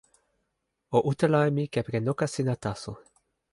o utala e mi kepeken noka sina taso.